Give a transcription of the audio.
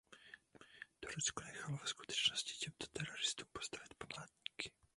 Turecko nechalo ve skutečnosti těmto teroristům postavit památníky.